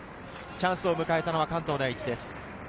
チャンスを迎えたのは関東第一です。